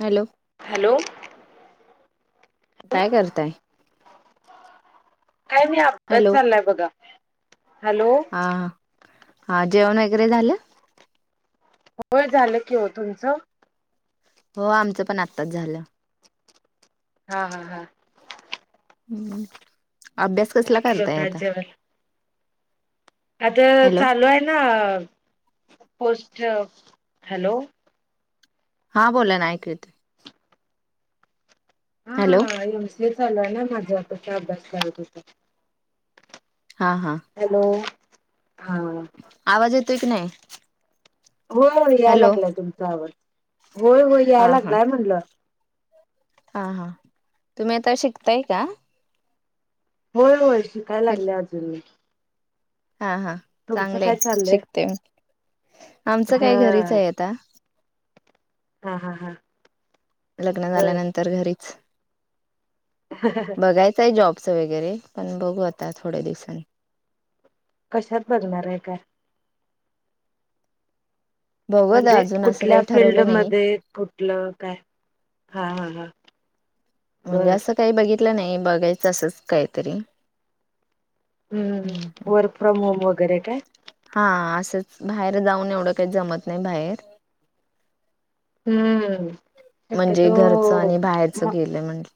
Hello. Hello. काय करताय? काय नाही अभ्यास हॅलो चाललाय बघा हॅलो. हा हा हा जेवण वगैरे झालं? होय झालं की हो तुमचं? हो आमचं पण आत्ताच झालं. हा हा हा. हम्म हम्म अभ्यास काय कसला केलं होत करताय आज आता? जेवण आता हॅलो चालू आहे ना पोस्ट? हॅलो हा बोला ना ऐकु येतं हा, हॅलो एम सी ये चालू आहे ना, माझं आता अभ्यास करत होते. हा हा हॅलो हा आवाज येतोय की नाही? होय होय, यायला हॅलो लागलाय तुमचा आवाज, होय होय, यायला लागलाय म्हणलं. हा-हा, तुम्ही आता शिकताय का? होय-होय, शिकाय लागल्या अजून मी. हा-हा, तुमचं चांगलं काय आहे चाललंय शिकतेय, आमचं काय घरीच हा आहे आता हा-हा-हा लग्न झाल्यानंतर घरीच [inaudible] बघायचं आहे जॉबचं वगैरे पण बघू आता थोड्या दिवसांनी कशात? बघणार आहे काय? बघूत म्हणजे अजून असं कुठल्या काही ठरवलं नाही फिल्डमध्ये, कुठलं काय? हा-हा-हा म्हणजे असं काही बघितलं नाही, बघायचं असंच काहीतरी हं, हम्म. वर्क फ्रॉम होम वगैरे काय? हा असंच, बाहेर जाऊन एवढं काही जमत नाही बाहेर हं.... शक्यतो म दिलं म्हटलं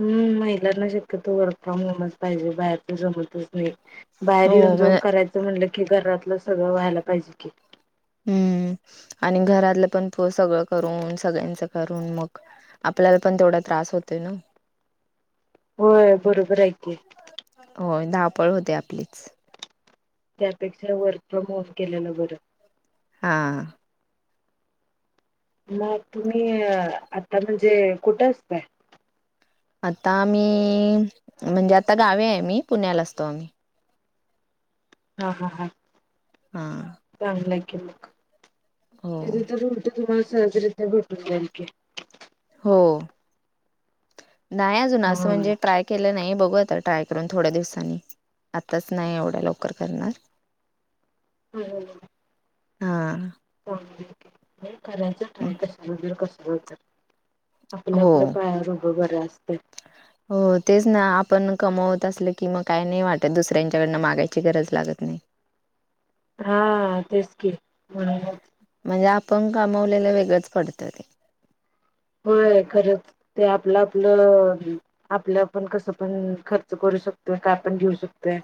हं, महिलांना शक्यतो वर्क फ्रॉम होमच पाहिजे, बाहेरच जमतच नाही. बाहेर हो येऊन म जाऊन करायचं म्हणलं की, घरातलं सगळं व्हायला पाहिजे की हं आणि घरातलं पण पो सगळं करून, सगळ्यांचं करून मग आपल्याला पण तेवढा त्रास होतोय नो ओ होय, बरोबर आहे की होय, धावपळ होतीय आपलीच त्यापेक्षा वर्क फ्रॉम होम केलेलं बरं हा मग तुम्ही आता म्हणजे कुठं असताय? आता आम्ही.... म्हणजे आता गावी आहे. आम्ही पुण्याला असतो आम्ही. हा-हा-हा हा चांगला आहे की, मग हो तिथं तर तुम्हाला सहजरित्या भेटून जाईल की हो नाय अजुन असं म्हणजे ट्राय केलं नाही, बघू आता ट्राय करून थोड्या दिवसांनी. आताच नाही एवढ्या लवकर करणार [inaudible] होय होय होय हा हो हे करायचं ट्राय, कसलं होतंय कसलं होतंय... हो आपल्या-आपल्या पायावर उभं बरं असतंय. हो तेच ना, आपण कमवत असलं की मग काय नाही वाटत, दुसऱ्यांच्याकडनं मागायची गरज लागत नाही. हा तेच की म्हणुन म्हणजे आपण कामावलेलं वेगळंच पडतं ते होय, खरंच ते आपलं-आपलं आपलं-आपण, कसं पण खर्च करू शकतोय, काय पण घेऊ शकतोय.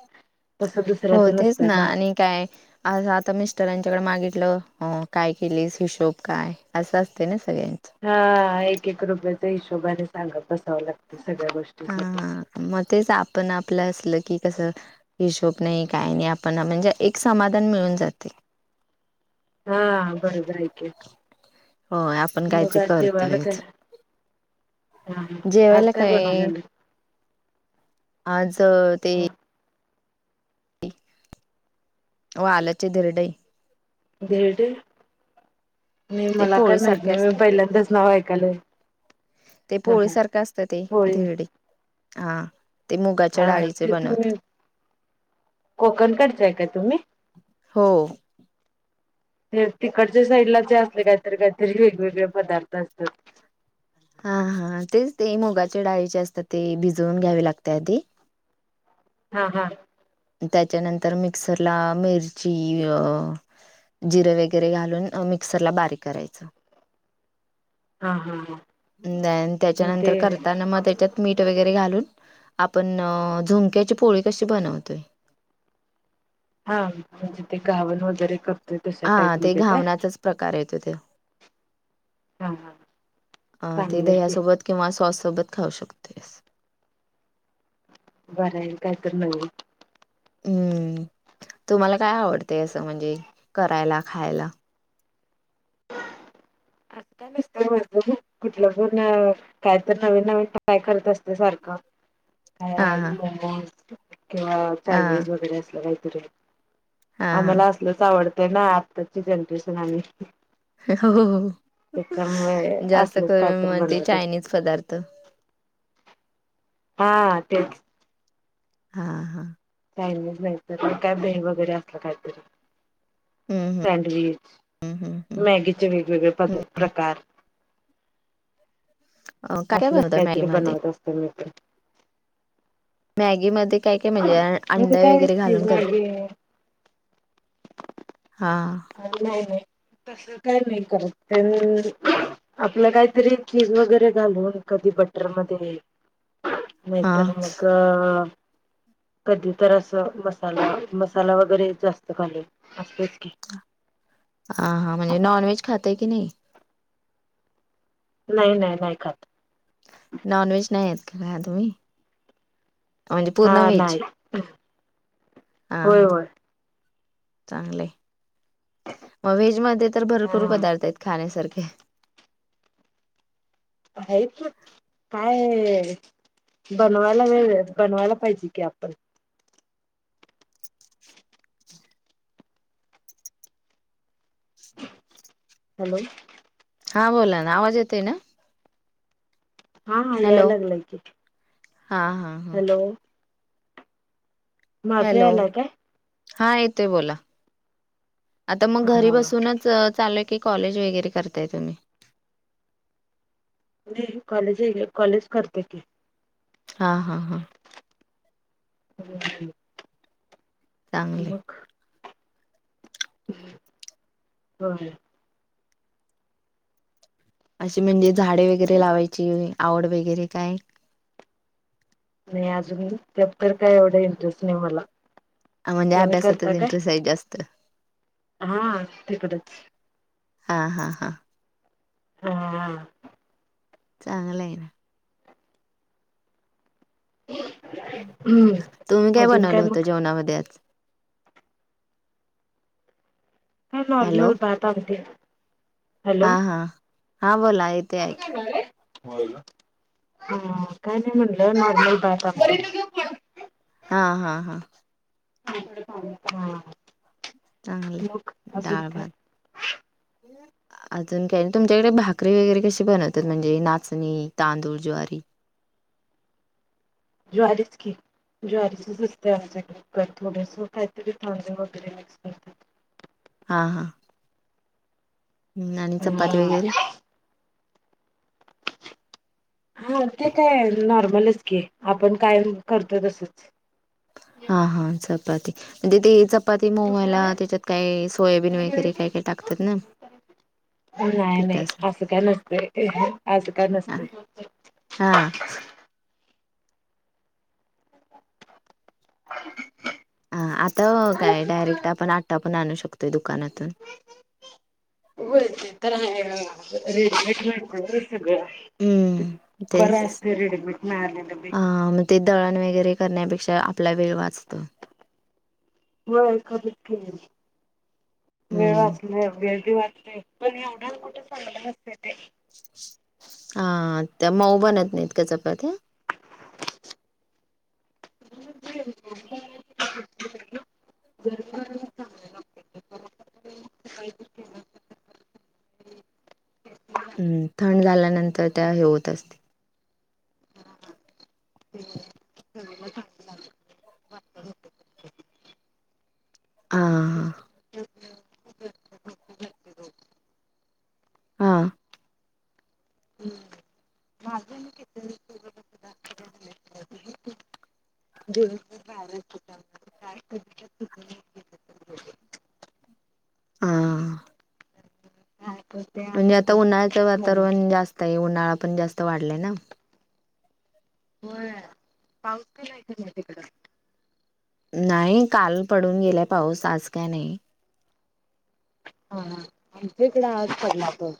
तसं, दुसऱ्याच हो तेच नसत ना? आणि काय? आज आता मिस्टरांच्याकड मागितलं, अ काय केलीस? हिशोब काय? असं असतयं ना सगळ्यांचं. हां, एक-एक रुपयाचा हिशोबाने, सांगत बसावं लागतं, सगळ्या गोष् हां हां, म तेच आपण-आपल्या, असलं की, कसं हिशोब नही, काही नही आपण, म्हणजे एक समाधान मिळून जातंय. हं, बरोबर हाय की, होय आपण मग काहीतरी आज जेवायला काय? करतोयच. ह्म ह्म, आज काय बनवलेल? आज, अ ते हा. वालाचे धिरडे. धिरडे? नही, ते मला काय पोळी माहीत सारखे नही, असतात. मी पहिल्यांदाच नाव ऐकायल. ते पोळी सारखं असतं, ते, होय धिरडे, हा. ते मुगाच्या हां, डाळीचे ते बनवत तुम्ही, कोकण कडच्या का, तुम्ही? हो. ते तिकडच्या साईडला, ते असले काहीतरी, काहीतरी, वेग-वेगळे पदार्थ असतात. हां हां तेच ते, मुगाच्या डाळीचे असतात, ते, भिजवून घ्यावे लागत्या, ते. हां हां. त्याच्यानंतर, मिक्सरला मिरची अ जिरे वगैरे घालून, मिक्सरला बारीक, करायचं. हा हा हा [unintelligible] न मग ते त्याच्यानंतर करताना, म त्याच्यात मीठ वगैरे घालून, आपण झुंक्याची पोळी कशी बनवतोय हा, म्हणजे, ते घावण वगैरे करतोय, तशा हा ते टाईपमध्ये काय? घावण्याचाच प्रकार येतोय ते, हा हा ते चांगलंय की दह्यासोबत किंवा सॉस सोबत, खाऊ शकतोय स. बरंय काहीतरी, नवीन. हम्म, तुम्हाला काय आवडतय, असं म्हणजे करायला, खायला? असं काय नसतंय पण बघू, कुठलं-कुठलं, काय तर नवीन-नवीन ट्राय करत असते, सारखं. हा काय हा [unintelligible] मॉमोज किंवा हा चायनीज वगैरे, असं काहीतरी हा आम्हाला असलच आवडतय ना, आत्ताची जनरेशन आम्ही. हो हो, त्याच्यामुळे जास्त असलंच काय करून, तर म ते बनवत असत चायनीज पदार्थ हां, तेच. हां हां. चायनीज भेटत [unintelligible] [unintelligible] वगैरे, असलं काहीतरी हम्म सँडविच, हम्म हम्म हम्म मॅगीचे वेग-वेगळे, हम्म पद-प्रकार हम्म काय काय असलच बनवता मॅगी काहीतरी, मध्ये? बनवत असते, मी पण. मॅगी मध्ये, काय- काय म्हणजे, म्हणजे आ-अंड काय वगैरे चीज घालून कर मॅगी हां. नाही [unintelligible] तस काय नही करत, प [unintelligible] आपलं काहीतरी, चीज वगैरे घालून, कधी बटरमध्ये [unintelligible] नहीतर मग, अ कधी तर अस, मसाला, मसाला वगैरे, जास्त घालून असतच की. हां हां म्हणजे नॉन व्हेज खाताय की नाही? नाही नाही नाही खात. नॉन व्हेज नाही आहेत का तुम्ही? म्हणजे पूर्ण हां नाही. हां होय हां होय चांगलं आहे. मग व्हेज मध्ये तर हा भरपूर पदार्थ आहेत खाण्यासारखे आहेत की काय बनवायला वेळ, बनवायला पाहिजे की आपण हॅलो! हां बोला ना! आवाज येतोय ना? हां हां याय हॅलो लागलाय की. हा हा हा हॅलो! माझं हॅलो! यायलाय काय हां येतोय बोला, आता मग घरी हा बसूनच च चालू आहे की, कॉलेज वगैरे करताय तुम्ही? नाही कॉलेज आहे गं कॉलेज करत्या की. हां हां हां. करून आलो. चांगलंय. मग! बरं. अशी म्हणजे झाडे वैगेरे लावायची आवड वैगेरे काय? नाही अजून त्यात तर काय एवढ इंटरेस्ट नाही मला. अ म्हणजे तुम्ही अभ्यासातच इंटरेस्ट आहे जास्त. हां तिकडच. हां हां हां. हां. चांगलं आहे ना. तुम्ही काय अजून बनवलं होत मग जेवणामध्ये आज? काय नॉर्मल भात आमटी. हां हां, हां बोला ऐक [unintelligible] होय गं. हम्म काय नाही म्हटलं नॉर्मल भात आमटी. हां हां हां. हां. चांगल आहे डाळ काय भात. अजून काय तुमच्याकडे भाकरी वगैरे कशी बनवतात म्हणजे नाचणी, तांदूळ, ज्वारी? ज्वारीचं की! ज्वारीचंच असतंय आमच्याकडं थोडसं काहीतरी तांदूळ वगैरे मिक्स करतात. हां हां. आणि चपाती वैगेरे? हां ते काय नॉर्मलच की आपण कायम करतोय तसंच. हां हां चपाती म्हणजे ते चप पाती मऊ व्हायला त्याच्यात काय सोयाबीन वगैरे काय काय टाकतात ना? नाही नाही पिठासाठी. असं काय नसतंय हे अस काय हां, नसतंय. हां. [inaudible] हां आता ओ काय डायरेक्ट आपण आटा पण आणू शकतोय दुकानातून. व्हय ते लहान लेकराला रेडिमेट भेटत आता सगळ हं. बरं तेच. असतय रेडीमेड मिळालेल बी हां, मग ते दळण वगैरे करण्यापेक्षा आपला वेळ वाचतो होय खरच की वेळ हं. वाचल वेळ बी वाचतय पण एवढ अन् कुठ चांगल नसतय ते हां त्या मऊ बनत नाहीत काय चपात्या [inaudible] गरम गरम चांगलं लागतं हं थंड झाल्यानंतर त्या हे होत असतील [inaudible] हां, हां. [inaudible] हां माझ आणि तीच तेवढ काय [inaudible] दोन हजार बारा [inaudible] हां हाय पण म्हणजे आता उन्हाळ्याच वातावरण जास्त आहे उन्हाळा पण जास्त वाढलाय ना होय पाऊस बी नाही कमी आहे तिकड नाही काल पडून गेला पाऊस आज काय नाही होन इकडे आज पडला बघ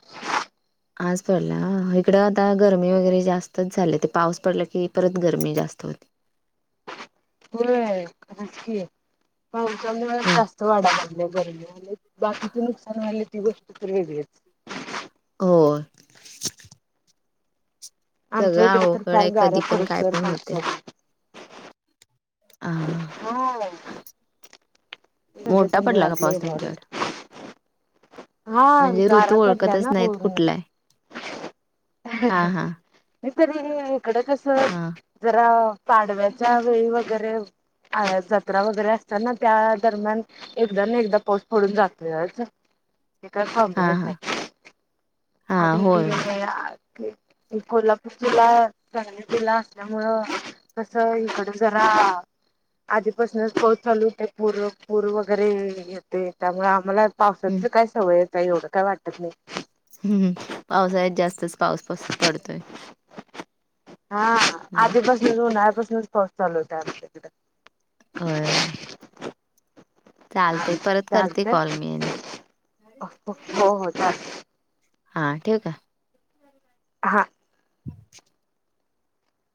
आज पडला इकड आता गरमी वगैरे जास्तच झाले ते पाऊस पडला की परत गरमी जास्त होती होय होय की पावसामुळं हो जा वाढा लागलीया गरमी बाकीचे नुकसान होय व्हायलय ती गोष्ट तर वेगळीच होय आमच्या सगळं इकडे तर अवघड फार आहे गारा कधी पण पडोस काय तर पण पाऊस होते. पडला हा हो मोठा पडला का वाढलंय पाऊस तुमच्याकडे हा म्हणजे ऋतु गारा पडल्या ओळखतच ना नाहीत पूर्ण कुठला आहे हां हां तरी इकडं कसं हां जरा पाडव्याच्या वेळी वगैरे जत्रा वगैरे असतना त्या दरम्यान एकदा ना एकदा पाऊस पडून जातोयाच हे काय हा थाबंना हा हा बाई होय होय [inaudible] हे कोल्हापूर जिल्हा सांगली जिल्हा असल्यामुळं कस इकड जरा आधीपासुनच पाऊस चालु होतय पूर पूर वगैरे येते त्यामुळे आम्हाला हम्म पावसाची काय सवय आहे एवढं काय वाटत नाही हं पावसाळ्यात जास्तच पाऊस पडतोय हां हम्म आधीपासुनच उन्हाळ्यापासुनच पाऊस चालु होता आमच्या इकड होय होय चालते हा परत करते चालतंय कॉल मी आणि हो हो चालते हां ठेवु का- हां [unintelligible]